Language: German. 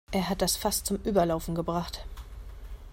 Er hat das Fass zum Überlaufen gebracht.